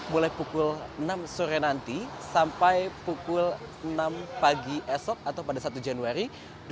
mulai pukul enam sore nanti sampai pukul enam pagi esok atau pada satu januari dua ribu dua puluh